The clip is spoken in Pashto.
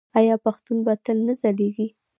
آیا پښتو به تل نه ځلیږي؟